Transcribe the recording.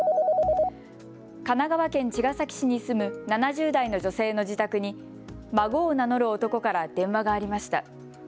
神奈川県茅ヶ崎市に住む７０代の女性の自宅に孫を名乗る男から電話がありました。